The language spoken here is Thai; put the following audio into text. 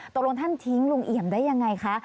ตกลงท่านทิ้งลุงเอี่ยมได้ยังไงคะ